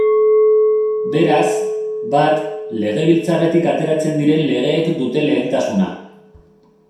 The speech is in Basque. Beraz, bat, Legebiltzarretik ateratzen diren legeek dute lehentasuna.